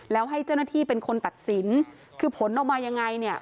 แล้วให้เจ้าหน้าที่เป็นคนตัดสินคือผลออกมายังไงเนี่ย